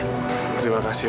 terima kasih amirah